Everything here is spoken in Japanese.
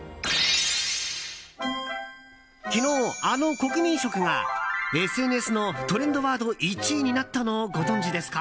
昨日、あの国民食がＳＮＳのトレンドワード１位になったのをご存じですか？